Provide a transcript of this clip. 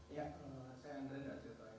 ya saya andre dari jatoyi